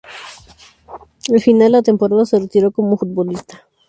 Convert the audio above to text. Al finalizar la temporada se retiró como futbolista.